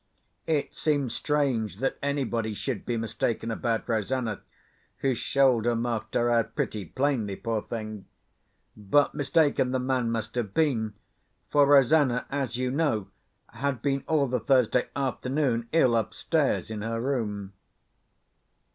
It seemed strange that anybody should be mistaken about Rosanna, whose shoulder marked her out pretty plainly, poor thing—but mistaken the man must have been; for Rosanna, as you know, had been all the Thursday afternoon ill upstairs in her room.